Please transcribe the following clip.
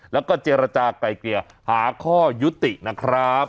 แล้วก็เจรจากลายเกลี่ยหาข้อยุตินะครับ